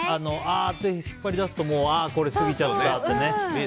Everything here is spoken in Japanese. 引っ張り出すとああ、これすぎちゃったってね。